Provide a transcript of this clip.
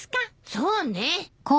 そうね。